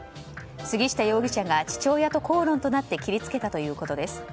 杉下容疑者が父親と口論となって切り付けたということです。